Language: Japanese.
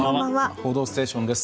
「報道ステーション」です。